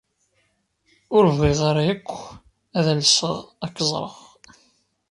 Ur bɣiɣ ara akk ad alseɣ ad k-ẓreɣ.